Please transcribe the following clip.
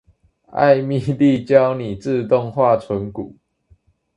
艾蜜莉教你自動化存股